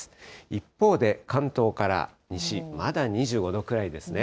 一方で、関東から西、まだ２５度くらいですね。